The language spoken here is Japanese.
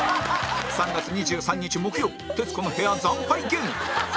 ３月２３日木曜『徹子の部屋』惨敗芸人